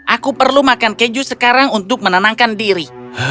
aku perlu makan keju sekarang untuk menenangkan diri